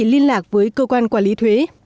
liên lạc với cơ quan quản lý thuế